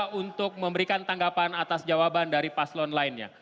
untuk memberikan tanggapan atas jawaban dari paslon lainnya